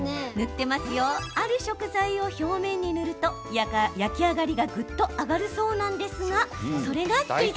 ある食材を表面に塗ると焼き上がりがぐっと上がるそうなんですがそれがクイズ。